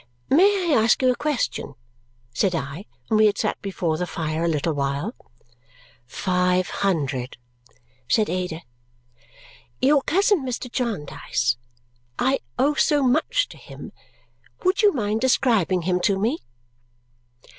"May I ask you a question?" said I when we had sat before the fire a little while. "Five hundred," said Ada. "Your cousin, Mr. Jarndyce. I owe so much to him. Would you mind describing him to me?"